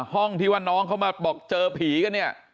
ห้องที่ว่าน้องเขามาบอกเจอผีกันเนี่ย